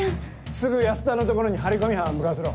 すぐ安田の所に張り込み班向かわせろ。